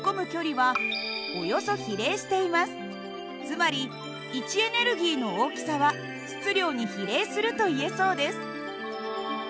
つまり位置エネルギーの大きさは質量に比例するといえそうです。